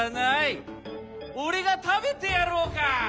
おれがたべてやろうか。